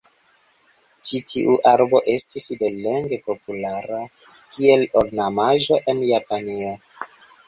Ĉi tiu arbo estis delonge populara kiel ornamaĵo en Japanio.